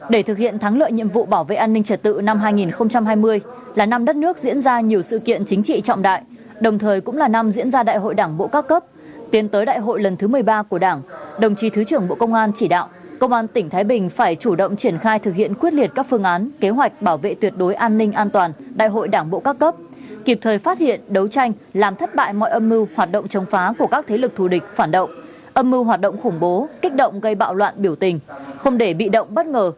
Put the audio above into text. để thực hiện thắng lợi nhiệm vụ bảo vệ an ninh trật tự năm hai nghìn hai mươi là năm đất nước diễn ra nhiều sự kiện chính trị trọng đại đồng thời cũng là năm diễn ra đại hội đảng bộ các cấp tiến tới đại hội lần thứ một mươi ba của đảng đồng chí thứ trưởng bộ công an chỉ đạo công an tỉnh thái bình phải chủ động triển khai thực hiện quyết liệt các phương án kế hoạch bảo vệ tuyệt đối an ninh an toàn đại hội đảng bộ các cấp kịp thời phát hiện đấu tranh làm thất bại mọi âm mưu hoạt động chống phá của các thế lực thù địch phản động âm mưu hoạt động